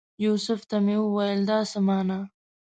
یوسف ته مې وویل دا څه مانا؟